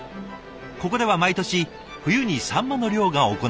ここでは毎年冬にサンマの漁が行われます。